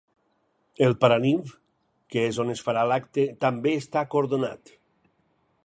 El paranimf, que és on es farà l’acte, també està cordonat.